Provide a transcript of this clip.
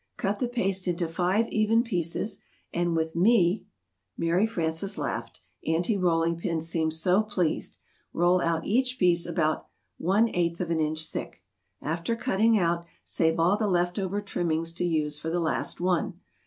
Cut the paste into five even pieces, and with me (Mary Frances laughed, Aunty Rolling Pin seemed so pleased) roll out each piece about one eighth of an inch thick. After cutting out, save all the left over trimmings to use for the last one.